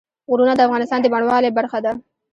غرونه د افغانستان د بڼوالۍ برخه ده.